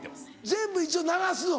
全部一度流すの？